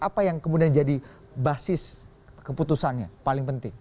apa yang kemudian jadi basis keputusannya paling penting